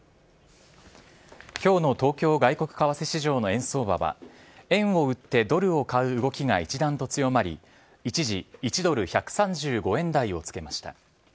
きょうの東京外国為替市場の円相場は、円を売ってドルを買う動きが一段と強まり、一時、１ドル１３５円台をつけました。